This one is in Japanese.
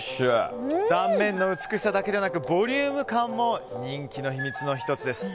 断面の美しさだけではなくボリューム感も人気の秘密の１つです。